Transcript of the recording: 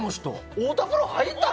太田プロに入ったら？